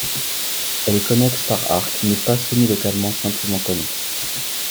Elle est connexe par arcs mais pas semi-localement simplement connexe.